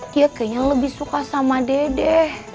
dia kayaknya lebih suka sama dede